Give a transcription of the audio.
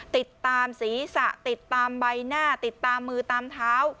ติดตามศีรษะติดตามใบหน้าติดตามมือตามเท้า